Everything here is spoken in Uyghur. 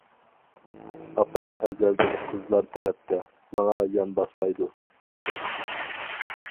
ئاپام ئەزەلدىن قىزلار تەرەپتە، ماڭا يان باسمايدۇ.